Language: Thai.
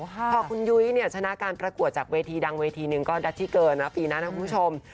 พอคุณยุ้ยชนะการประกวดจากเวทีดังเวทีหนึ่งก็ดัดที่เกินนะครับปีนั้นนะคุณผู้ชม